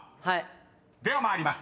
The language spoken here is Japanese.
［では参ります。